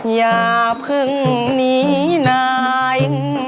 อย่าเพิ่งหนีนาย